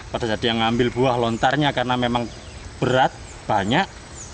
pada saat dia ngambil buah lontarnya karena memang berat banyak